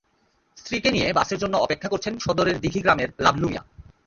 স্ত্রীকে নিয়ে বাসের জন্য অপেক্ষা করছেন সদরের দিঘি গ্রামের লাভলু মিয়া।